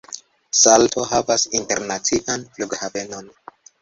Salto havas internacian flughavenon.